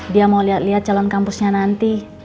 dia mau liat liat calon kampusnya nanti